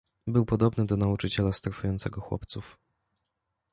"Był podobny do nauczyciela, strofującego chłopców."